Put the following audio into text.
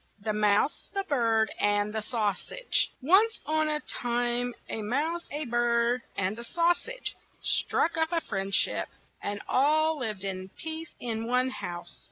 THE MOUSE, THE BIRD, AND THE SAUSAGE ONCE on a time a mouse, a bird, and a sau sage struck up a friend ship, and all lived in peace in one house.